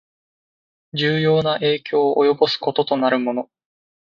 重要な影響を及ぼすこととなるもの